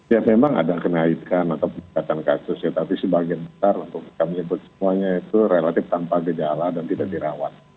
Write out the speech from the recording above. ya memang ada kenaikan atau peningkatan kasus ya tapi sebagian besar untuk kita menyebut semuanya itu relatif tanpa gejala dan tidak dirawat